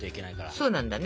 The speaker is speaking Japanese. そうなんだね。